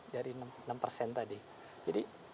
dari enam persen tadi jadi